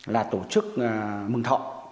là tổ chức mừng thọ